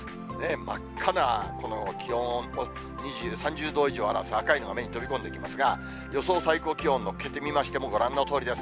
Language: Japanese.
真っ赤なこの気温、３０度以上を表すのが目に飛び込んできますが、予想最高気温をのっけてみましても、ご覧のとおりです。